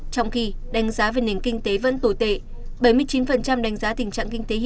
trong khi đánh giá về nền kinh tế vẫn tồi tệ